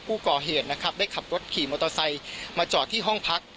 ผู้ก่อเหตุนะครับได้ขับรถขี่มอเตอร์ไซค์มาจอดที่ห้องพัก